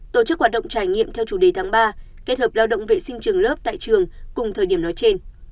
tổ chức hoạt động trải nghiệm theo chủ đề tháng ba kết hợp lao động vệ sinh trường lớp tại trường cùng thời điểm nói trên